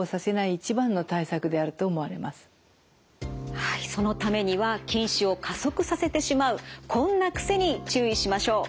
はいそのためには近視を加速させてしまうこんな癖に注意しましょう。